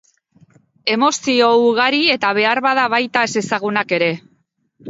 Emozio ugari eta beharbada baita ezezagunak ere.